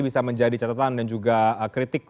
bisa menjadi catatan dan juga kritik